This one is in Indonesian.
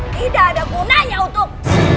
tidak ada gunanya untuk